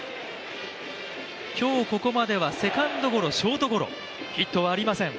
今日ここまではセカンドゴロショートゴロ、ヒットはありません。